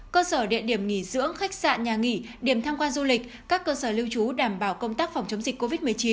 cơ sở địa điểm nghỉ dưỡng khách sạn nhà nghỉ điểm tham quan du lịch các cơ sở lưu trú đảm bảo công tác phòng chống dịch covid một mươi chín